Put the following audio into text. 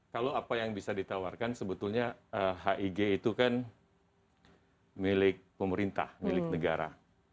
kalau apa yang bisa ditawarkan sebetulnya hig itu kan milik pemerintah milik negara